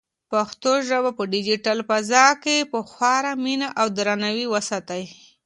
پښتو ژبه په ډیجیټل فضا کې په خورا مینه او درناوي وساتئ.